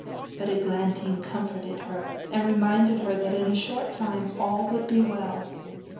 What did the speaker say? But Eglantine comforted her, and reminded her that in a short time all would be well.